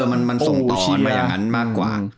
มันทรงตอนมาอย่างงั้นมากกว่า